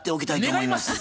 願います。